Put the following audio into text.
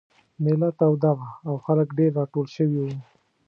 مېله توده وه او خلک ډېر راټول شوي وو.